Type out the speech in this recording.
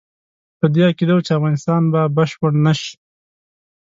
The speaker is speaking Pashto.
په دې عقیده وو چې افغانستان به بشپړ نه شي.